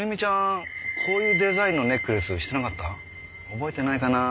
覚えてないかな？